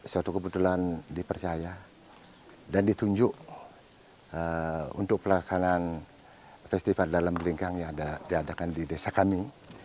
suatu kebetulan dipercaya dan ditunjuk untuk pelaksanaan festival dalam berlingkang yang diadakan di desa kami